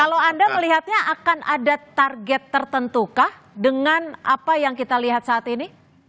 kalau anda melihatnya akan ada target tertentu kah dengan apa yang kita lihat saat ini